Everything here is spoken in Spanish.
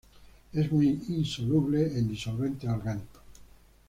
Es muy insoluble en disolventes orgánicos.